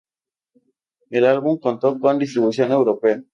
El álbum contó con distribución europea.